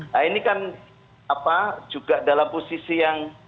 nah ini kan juga dalam posisi yang